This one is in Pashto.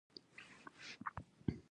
په دې کې د ښځو انځورونه وو